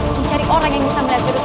mencari orang yang bisa melihat diri kita